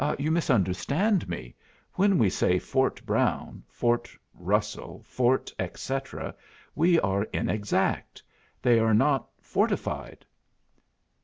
"You misunderstand me. When we say Fort Brown. Fort Russell, Fort Et Cetera, we are inexact. They are not fortified."